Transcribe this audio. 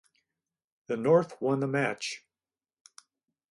The North won the match.